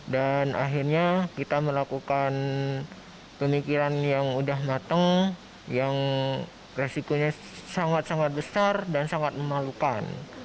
dan akhirnya kita melakukan pemikiran yang udah mateng yang resikonya sangat sangat besar dan sangat memalukan